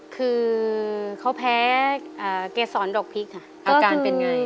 คือเขาแพ้เกษรดอกพริกค่ะอาการเป็นไง